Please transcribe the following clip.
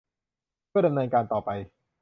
เพื่อดำเนินการต่อไป